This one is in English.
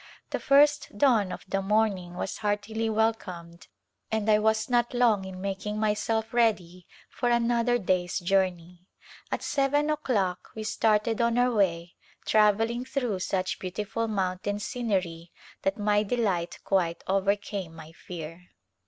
The first dawn of the morning was heartily welcomed and I was not long in making myself ready for another day's journey. At seven o'clock we started on our way travelling through such beautiful mountain scenery that my delight quite over came my fear.